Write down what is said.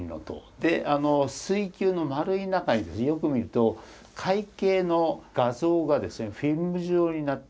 であの水球の丸い中にですねよく見ると「海景」の画像がですねフィルム状になって。